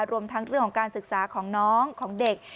รวมทั้งเรื่องของการศึกษาของน้องของเด็ก